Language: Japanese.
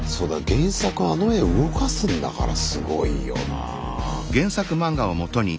原作あの絵を動かすんだからすごいよな。